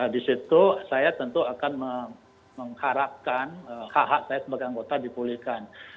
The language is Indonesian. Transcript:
di situ saya tentu akan mengharapkan hak hak saya sebagai anggota dipulihkan